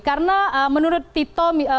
karena menurut tito